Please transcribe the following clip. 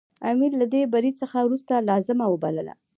امیر له دې بري څخه وروسته لازمه وبلله.